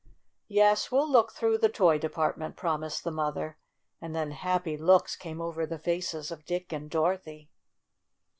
"Yes, we'll look through the toy de partment," promised the mother, and then happy looks came over the faces of Dick and Dorothy.